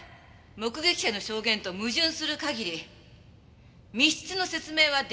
目撃者の証言と矛盾する限り密室の説明はできないのでは？